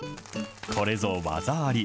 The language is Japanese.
これぞ、技あり！